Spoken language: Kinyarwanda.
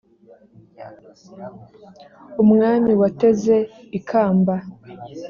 umwami wateze ikamba,